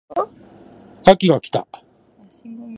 秋が来た